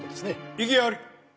異議あり！